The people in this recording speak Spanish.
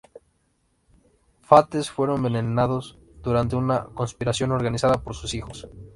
Fraates fue envenenado durante una conspiración organizada por sus hijos.